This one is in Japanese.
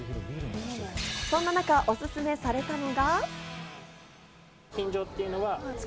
そんな中、おすすめされたのが。